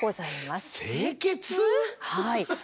はい。